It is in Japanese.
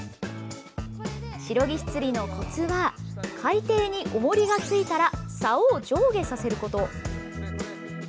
シロギス釣りのコツは海底に重りがついたらさおを上下させること。